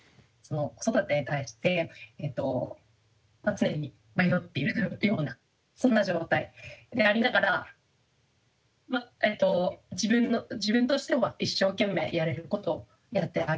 子育てに対して常に迷っているようなそんな状態でありながらまあえっと自分としては一生懸命やれることをやってあげたいと思っています。